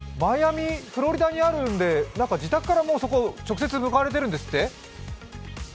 上原さん、今、自宅、マイアミ、フロリダにあるので、自宅から直接向かわれているんですって？